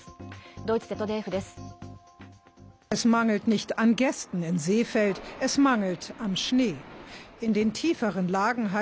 ドイツＺＤＦです。